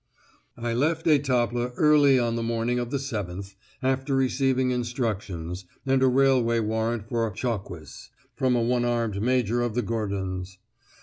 I left Étaples early on the morning of the 7th, after receiving instructions, and a railway warrant for "Chocques," from a one armed major of the Gordons.